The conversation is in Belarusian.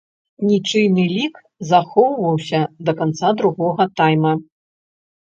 Нічыйны лік захоўваўся да канца другога тайма.